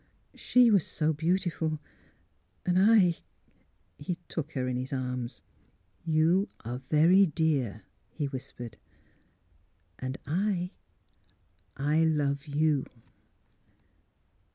She was so beautiful; and I " He took her in his arms. " You are very dear," he whispered, " and I — I love you."